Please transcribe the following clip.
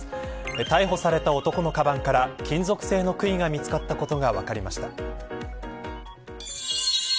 逮捕された男のかばんから金属製の杭が見つかったことが分かりました。